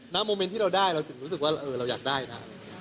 โมเมนต์ที่เราได้เราถึงรู้สึกว่าเราอยากได้นะ